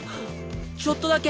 ちょっとだけ！